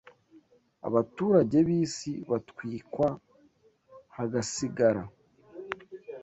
abaturage b’isi batwikwa hagasigara